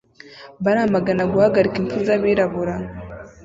Baramagana guhagarika impfu zabirabura